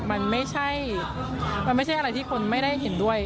มันไม่ใช่อะไรที่คนไม่ได้เห็นด้วย